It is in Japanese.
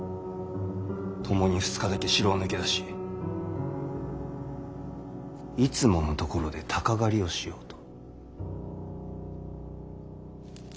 ともに２日だけ城を抜け出しいつもの所で鷹狩りをしようと。